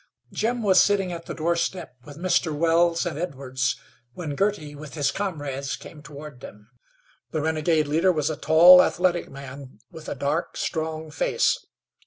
Jim was sitting at the doorstep with Mr. Wells and Edwards when Girty, with his comrades, came toward them. The renegade leader was a tall, athletic man, with a dark, strong face.